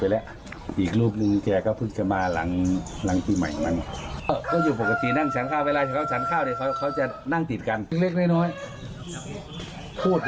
เล็กน้อยพูดหรือคำพูด